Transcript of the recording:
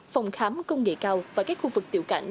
phòng khám công nghệ cao và các khu vực tiểu cảnh